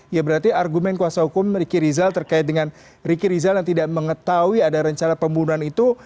ya berarti argumen kuasa hukum riki rizal terkait dengan riki rizal yang tidak mengetahui ada rencana pembunuhan itu